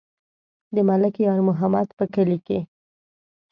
د ملک یار محمد په کلي کې.